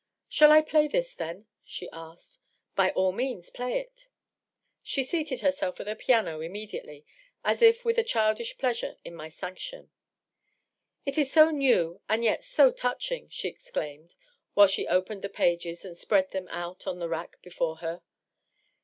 ^^ Shall I play this, then?'' she asked. " By all means play it." She seated herself at the piano immediately, as if with a childish pleasure in my sanction. '* It is so new and yet so touching !" she ex claimed, while she opened the pages and spread them out on the rack before her.